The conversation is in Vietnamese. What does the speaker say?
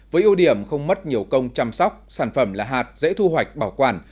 với ưu điểm không mất nhiều công chăm sóc sản phẩm là hạt dễ thu hoạch bảo quản